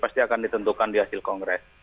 pasti akan ditentukan di hasil kongres